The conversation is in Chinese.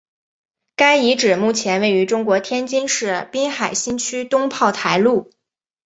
该遗址目前位于中国天津市滨海新区东炮台路。